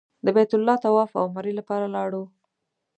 د بیت الله طواف او عمرې لپاره لاړو.